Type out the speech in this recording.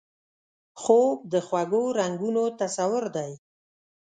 خوب د خوږو رنګونو تصور دی